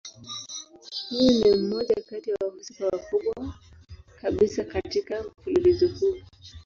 Huyu ni mmoja kati ya wahusika wakubwa kabisa katika mfululizo huu.